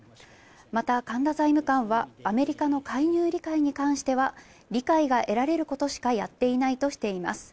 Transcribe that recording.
また神田財務官はアメリカの介入理解に関しては、理解が得られることしかやっていないとしています。